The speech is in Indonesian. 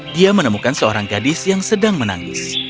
dia menemukan seorang gadis yang sedang menangis